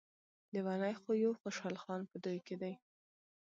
لیونی خو يو خوشحال خان په دوی کې دی.